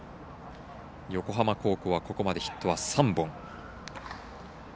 横浜高校はここまでヒットは３本。